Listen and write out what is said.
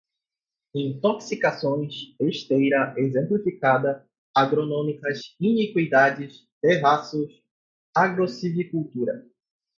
intoxicações, esteira, exemplificada, agronômicas, iniquidades, terraços, agrossilvicultura